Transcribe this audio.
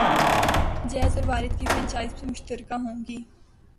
jazz اور وارد کی franchise بھی مشترکہ ہوں گی